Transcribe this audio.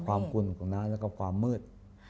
กวนของน้ำแล้วก็ความมืด